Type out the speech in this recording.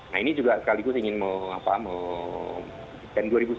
nah ini juga sekaligus ingin mau apa mau